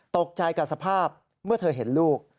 ตกใจกับสภาพเมื่อเธอเห็นลูก